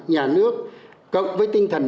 nhà nước cộng với tinh thần